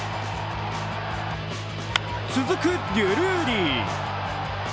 続くデュルーリー。